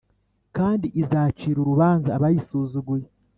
kandi izacira urubanza abayisuzuguye.